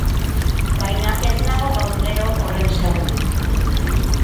Baina ez nago gaurgero horren seguru.